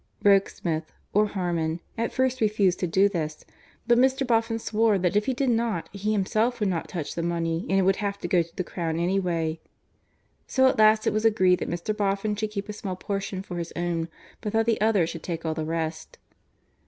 Rokesmith (or Harmon) at first refused to do this, but Mr. Boffin swore that if he did not he himself would not touch the money, and it would have to go to the Crown anyway. So at last it was agreed that Mr. Boffin should keep a small portion for his own, but that the other should take all the rest.